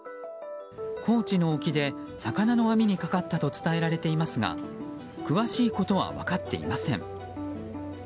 高知の沖で魚の網にかかったと伝えられていますが詳しいことは分かっていません。